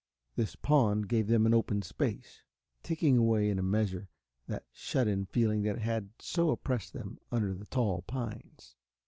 This pond gave them an open space, taking away in a measure that shut in feeling that had so oppressed them under the tall pines.